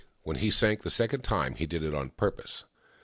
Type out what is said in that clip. When he sank for the second time, he did it on purpose.